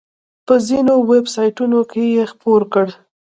په ځینو ویب سایټونو کې یې خپور کړ.